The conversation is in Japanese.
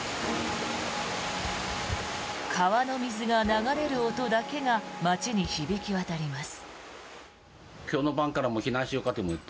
川の水が流れる音だけが街に響き渡ります。